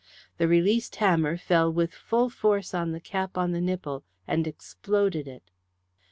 The released hammer fell with full force on the cap on the nipple, and exploded it.